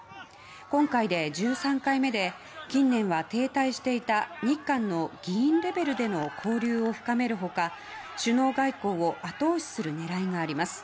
今回で１３回目で近年は停滞していた、日韓の議員レベルでの交流を深める他首脳外交を後押しする狙いがあります。